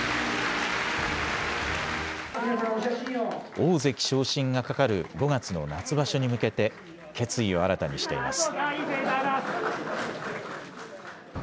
大関昇進が懸かる５月の夏場所に向けて決意を新たにしています。